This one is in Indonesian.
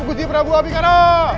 gusti prabu abikara